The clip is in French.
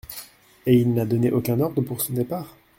Et il n’a donné aucun ordre pour son départ ?